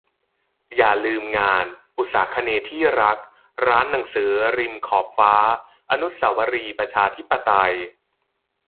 อย่าลืมงาน "อุษาคเนย์ที่รัก" ร้านหนังสือริมขอบฟ้า อนุเสาวรีย์ประชาธิปไตย